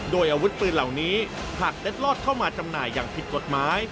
โดยอาวุธปืนเหล่านี้หากเล็ดลอดเข้ามาจำหน่ายอย่างผิดกฎหมาย